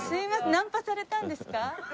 ナンパされたんですか？